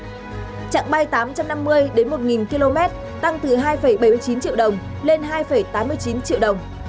trạng bay tám trăm năm mươi đến một km tăng từ hai bảy mươi chín triệu đồng lên hai tám mươi chín triệu đồng